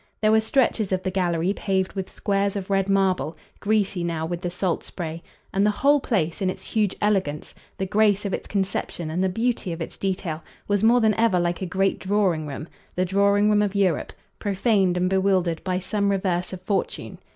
There were stretches of the gallery paved with squares of red marble, greasy now with the salt spray; and the whole place, in its huge elegance, the grace of its conception and the beauty of its detail, was more than ever like a great drawing room, the drawing room of Europe, profaned and bewildered by some reverse of fortune.